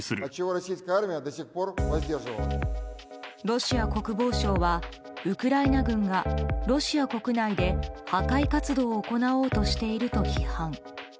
ロシア国防省はウクライナ軍がロシア国内で破壊活動を行おうとしていると批判。